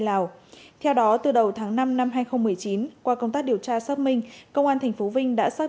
lào theo đó từ đầu tháng năm năm hai nghìn một mươi chín qua công tác điều tra xác minh công an tp vinh đã xác